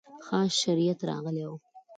خاص شریعت راغلی و.